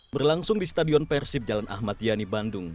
berlangsung di stadion persib jalan ahmad yani bandung